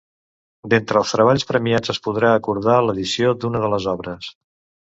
D'entre els treballs premiats es podrà acordar l'edició d'una de les obres.